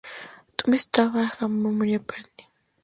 Su tumba está en el "Valhalla Memorial Park Cemetery".